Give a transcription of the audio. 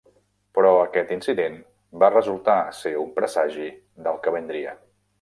Però aquest incident va resultar ser un presagi del que vindria.